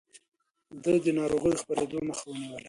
ده د ناروغيو د خپرېدو مخه ونيوله.